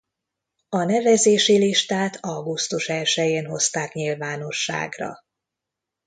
A nevezési listát augusztus elsején hozták nyilvánosságra.